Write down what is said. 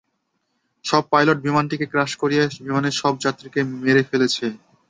সব পাইলট বিমানটিকে ক্র্যাশ করিয়ে বিমানের সব যাত্রীকে মেরে ফেলেছে।